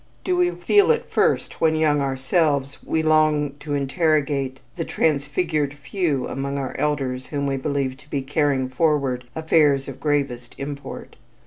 Do we feel it first when young ourselves we long to interrogate the "transfigured few" among our elders whom we believe to be carrying forward affairs of gravest import?